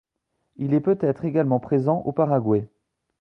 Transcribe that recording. Il est peut-être également présent au Paraguay.